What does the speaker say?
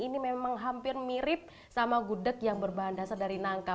ini memang hampir mirip sama gudeg yang berbahan dasar dari nangka